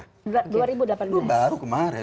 oh baru kemarin